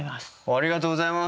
ありがとうございます！